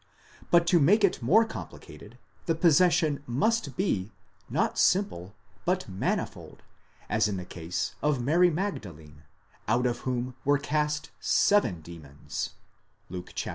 But to make it more complicated, the possession must be, not simple, but manifold, as in the case of Mary Magdalene, out of whom were cast seven demons (Luke viii.